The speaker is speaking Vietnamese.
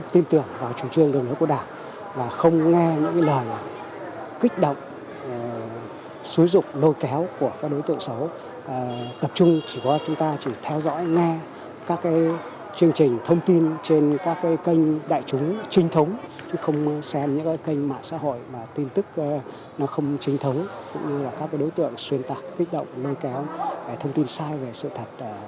tình hình an ninh trả tự trên đoàn bàn cơ bản được kiểm soát và đã ổn định